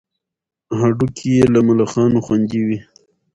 هډوکي یې له ملخانو خوندي وي.